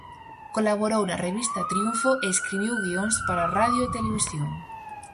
Colaborou na revista Triunfo e escribiu guións para radio e televisión.